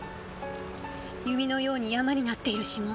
弓のように山になっている指紋